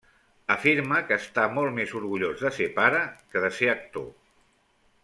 Afirma que està molt més orgullós de ser pare que de ser actor.